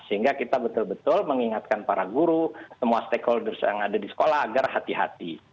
sehingga kita betul betul mengingatkan para guru semua stakeholders yang ada di sekolah agar hati hati